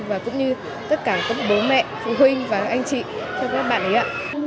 và cũng như tất cả các bố mẹ phụ huynh và anh chị cho các bạn ấy ạ